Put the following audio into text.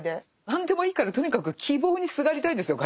何でもいいからとにかく希望にすがりたいんですよ